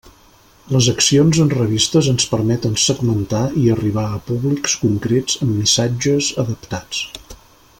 Les accions en revistes ens permeten segmentar i arribar a públics concrets amb missatges adaptats.